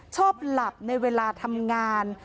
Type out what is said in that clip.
ชอบหลับในเวลาทำงาน